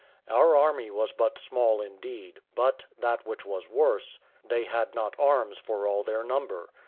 Our army was but small indeed; but, that which was worse, they had not arms for all their number.